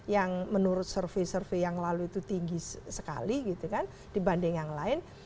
yang menurut survei survei yang lalu itu tinggi sekali gitu kan dibanding yang lain